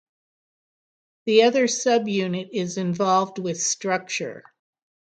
The other subunit is involved with structure.